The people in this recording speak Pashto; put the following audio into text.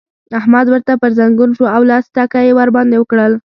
احمد ورته پر ځنګون شو او لس ټکه يې ور باندې وکړل.